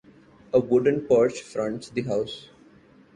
A wooden porch fronts the house.